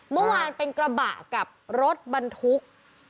เมื่อวานเป็นกระบะกับรถบรรทุก